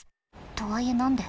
とはいえ何で？